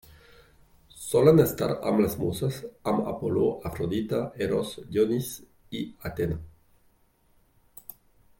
Solen estar amb les Muses, amb Apol·lo, Afrodita, Eros, Dionís i Atena.